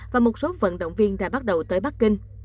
và một số vận động viên đã bắt đầu tới bắc kinh